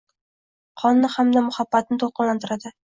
Qonni hamda muhabbatni to’lqinlantiradi